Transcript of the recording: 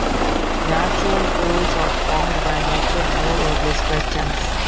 Natural pearls are formed by nature, more or less by chance.